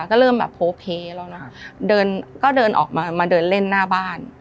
ก็เริ่มแบบโพเพแล้วนะเดินก็เดินออกมามาเดินเล่นหน้าบ้าน